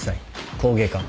工芸家。